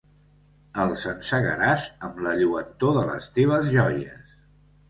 Els encegaràs amb la lluentor de les teves joies.